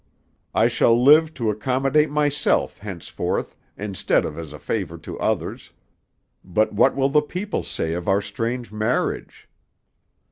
I shall live to accommodate myself henceforth, instead of as a favor to others. But what will the people say of our strange marriage?"